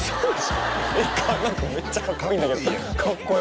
何かめっちゃかっこいいんだけどかっこよ！